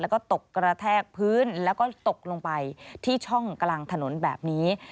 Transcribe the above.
แล้วก็ตกกระแทกพื้นแล้วก็ตกลงไปที่ช่องกลางถนนแบบนี้